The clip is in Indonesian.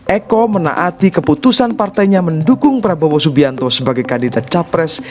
eko menaati keputusan partainya mendukung prabowo subianto sebagai kandidat capres